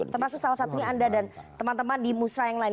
termasuk salah satunya anda dan teman teman di musra yang lain